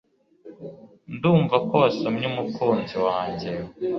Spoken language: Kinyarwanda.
Ndumva ko wasomye umukunzi wanjye